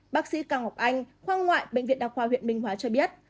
bác sĩ càng học anh khoa ngoại bệnh viện đa khoa huyện minh hóa cho biết